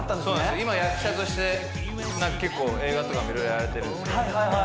今役者としてなんか結構映画とかも色々やられてるんですけどはい